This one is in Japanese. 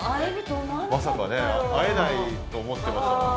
まさかね会えないと思ってましたもんね。